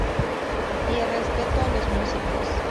Y el respeto a los músicos.